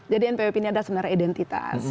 jadi npwp ini adalah sebenarnya identitas